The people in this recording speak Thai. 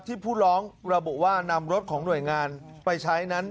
ผู้ร้องระบุว่านำรถของหน่วยงานไปใช้นั้น